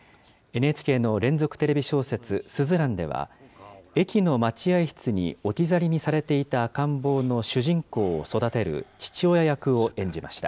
ＮＨＫの連続テレビ小説、すずらんでは、駅の待合室に置き去りにされていた赤ん坊の主人公を育てる父親役を演じました。